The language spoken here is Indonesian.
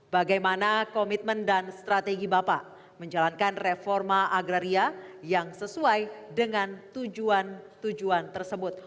bagaimana komitmen dan strategi bapak menjalankan reforma agraria yang sesuai dengan tujuan tujuan tersebut